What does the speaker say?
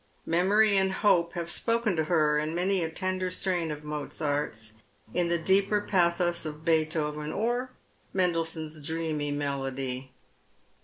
Memory and hope have spoken to her in many a tender strain of Mozart's, in the deeper pathos of Beethoven, or Mendelssohn's dreamy melody.